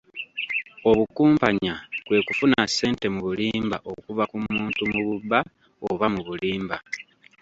Obukumpanya kwe kufuna ssente mu bulimba okuva ku muntu mu bubba oba mu bulimba.